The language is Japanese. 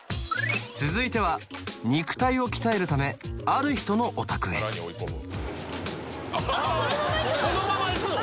続いては肉体を鍛えるためある人のお宅へそのまま行くの？